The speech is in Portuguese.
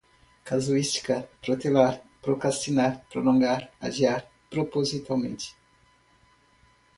casuísticas, protelar, procrastinar, prolongar, adiar propositadamente